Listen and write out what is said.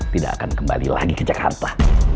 tidak akan kembali lagi ke jakarta